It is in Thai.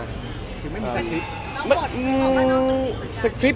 คือไม่มีสคริปต์